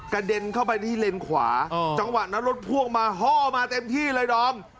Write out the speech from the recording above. เด็นเข้าไปที่เลนขวาจังหวะนั้นรถพ่วงมาฮ่อมาเต็มที่เลยดอม